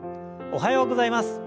おはようございます。